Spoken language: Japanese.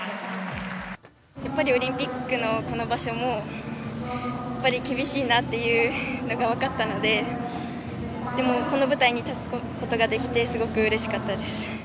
オリンピックのこの場所も厳しいなっていうのが分かったので、でもこの舞台に立つことができてすごくうれしかったです。